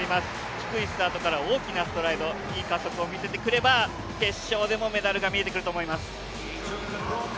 低いスタートから大きなストライド、いい加速を見せてくれば、決勝でもメダルが見えてくると思います。